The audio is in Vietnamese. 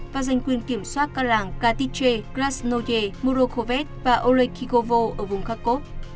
và giành quyền kiểm soát các làng katiche krasnoye murokhoved và oleksikovu ở vùng kharkov